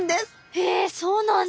へえそうなんだ！